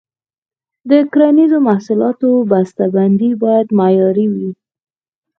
د کرنیزو محصولاتو بسته بندي باید معیاري وي.